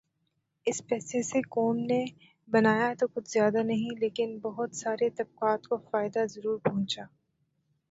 اس پیسے سے قوم نے بنایا تو کچھ زیادہ نہیں لیکن بہت سارے طبقات کو فائدہ ضرور پہنچا۔